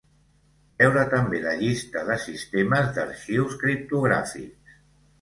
Veure també la llista de sistemes d'arxius criptogràfics.